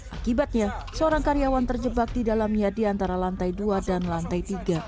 akibatnya seorang karyawan terjebak di dalamnya di antara lantai dua dan lantai tiga